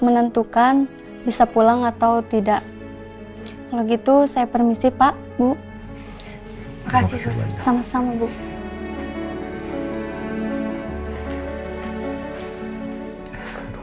menentukan bisa pulang atau tidak kalau gitu saya permisi pak bu makasih sama sama bu